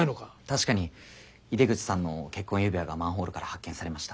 確かに井出口さんの結婚指輪がマンホールから発見されました。